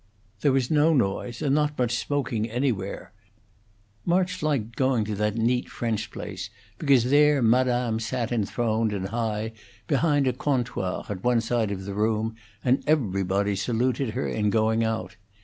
There was no noise and not much smoking anywhere; March liked going to that neat French place because there Madame sat enthroned and high behind a 'comptoir' at one side of the room, and everybody saluted her in going out.